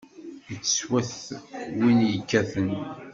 Yettwat win yekkaten.